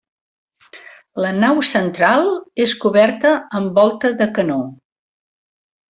La nau central és coberta amb volta de canó.